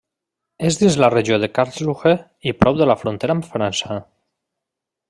És dins la regió de Karlsruhe i prop de la frontera amb França.